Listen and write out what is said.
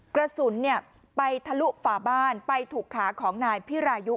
กระสุนไปทะลุฝาบ้านไปถูกขาของนายพิรายุ